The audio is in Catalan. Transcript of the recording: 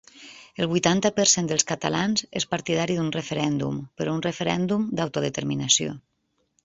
El vuitanta per cent dels catalans és partidari d’un referèndum, però un referèndum d’autodeterminació.